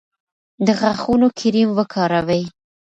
د غاښونو کریم وکاروئ.